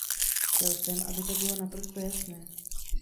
Chtěl jsem, aby to bylo naprosto jasné.